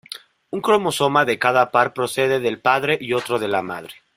Un cromosoma de cada par procede del padre y otro de la madre.